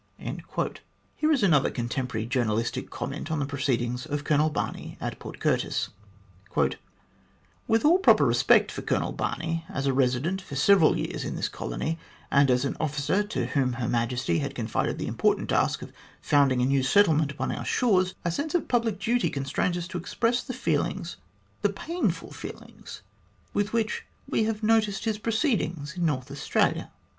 3 Here is another contemporary journalistic comment on the proceedings of Colonel Barney at Port Curtis :" With all proper respect for Colonel Barney as a resident for several years in this colony, and as an officer to whom Her Majesty had confided the important task of founding a new settlement upon our shores, a sense of public duty constrains us to express the feelings, the painful feelings, with which we have noticed his proceedings in North Australia.